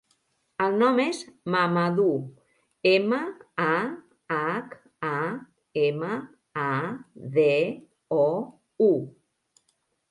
El nom és Mahamadou: ema, a, hac, a, ema, a, de, o, u.